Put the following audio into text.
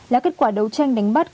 là kết quả đấu tranh đánh bắt